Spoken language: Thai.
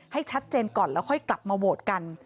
ให้ชัดเจนก่อนแล้วค่อยกลับมาโหวตกัน